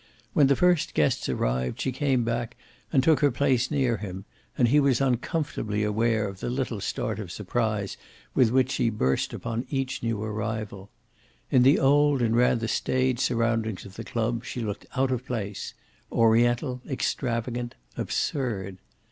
When the first guests arrived, she came back and took her place near him, and he was uncomfortably aware of the little start of surprise with which she burst upon each new arrival, In the old and rather staid surroundings of the club she looked out of place oriental, extravagant, absurd.